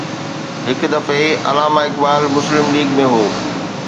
هڪ دفعي علامه اقبال مسلم ليگ ۾ هو.